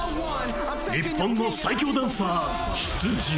日本の最強ダンサー出陣。